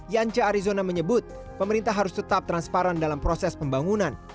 yance arizona menyebut pemerintah harus tetap transparan dalam proses pembangunan